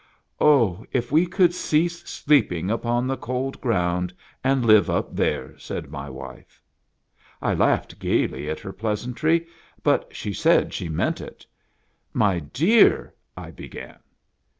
"O. if we could cease sleeping upon the cold ground, and live up there !" said my wife. I laughed gayly at her pleasantry, but she said she meant it. " My dear ..." I began.